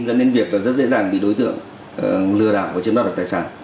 dẫn đến việc rất dễ dàng bị đối tượng lừa đảo và chiếm đoạt tài sản